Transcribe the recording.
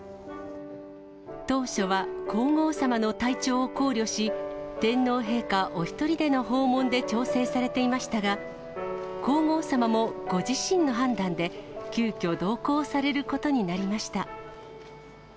当初は皇后さまの体調を考慮し、天皇陛下お一人での訪問で調整されていましたが、皇后さまもご自身の判断で、急きょ、同行されることになりました。